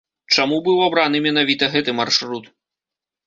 Чаму быў абраны менавіта гэты маршрут?